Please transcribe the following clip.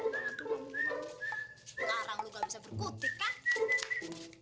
sekarang lo ga bisa berkutik kan